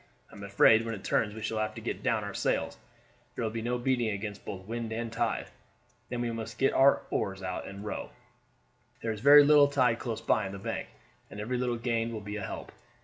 I am afraid when it turns we shall have to get down our sails; there will be no beating against both wind and tide. Then we must get out oars and row. There is very little tide close in by the bank, and every little gain will be a help.